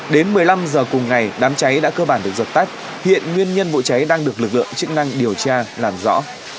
đến một mươi năm h cùng ngày đám cháy đã cơ bản được dập tắt hiện nguyên nhân vụ cháy đang được lực lượng chức năng điều tra làm rõ